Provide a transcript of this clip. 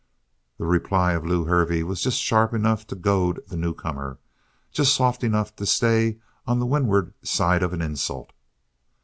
The reply of Lew Hervey was just sharp enough to goad the newcomer just soft enough to stay on the windward side of an insult.